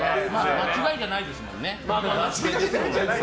間違いじゃないですもんね。